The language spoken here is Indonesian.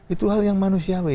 itu hal yang manusiawi